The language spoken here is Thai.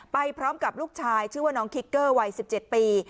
ไปพร้อมกับลูกชายชื่อว่าน้องคิกเกอร์วัย๑๗ปี